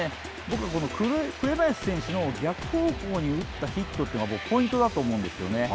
紅林選手の逆方向に打ったヒットが僕、ポイントだと思うんですけどね。